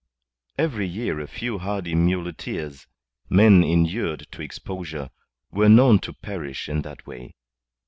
Every year a few hardy muleteers men inured to exposure were known to perish in that way.